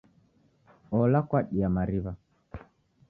Ola kwadia mari'wa.